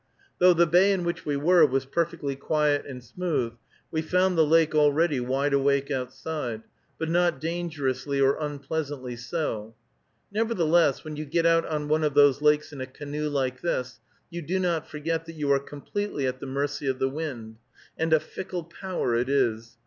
Though the bay in which we were was perfectly quiet and smooth, we found the lake already wide awake outside, but not dangerously or unpleasantly so; nevertheless, when you get out on one of those lakes in a canoe like this, you do not forget that you are completely at the mercy of the wind, and a fickle power it is.